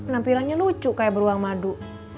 penampilannya lucu kayak beruang madu